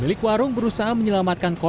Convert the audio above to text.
ini gak terima sini juga datang